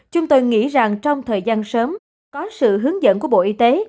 chúng tôi nghĩ rằng trong thời gian sớm có sự hướng dẫn của bộ y tế